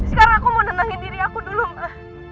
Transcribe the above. sekarang aku mau denangin diri aku dulu ma